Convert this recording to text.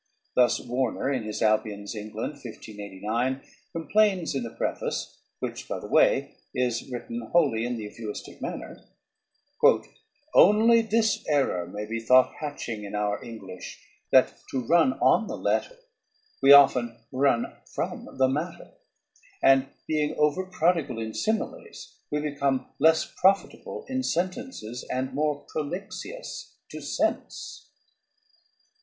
Thus Warner, in his "Albion's England" (1589), complains in the preface, which, by the way, is written wholly in the euphuistic manner: "Onely this error may be thought hatching in our English, that to runne on the letter we often runne from the matter: and being over prodigall in similes we become less profitable in sentences and more prolixious to sense."